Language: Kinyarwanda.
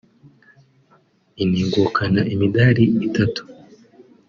inegukana imidari itatu